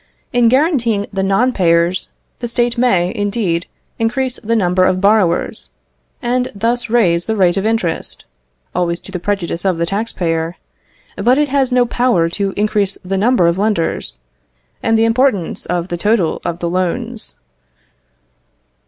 In guaranteeing the non payers, the State may, indeed, increase the number of borrowers, and thus raise the rate of interest (always to the prejudice of the tax payer), but it has no power to increase the number of lenders, and the importance of the total of the loans.